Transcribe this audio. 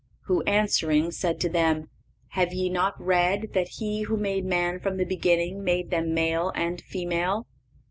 Who, answering, said to them: Have ye not read that He who made man from the beginning made them male and female?